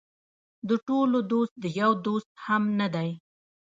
د ټولو دوست د یو دوست هم نه دی.